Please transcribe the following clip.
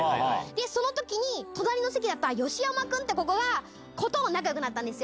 そのときに、隣の席だった吉山さんっていう子と仲よくなったんですよ。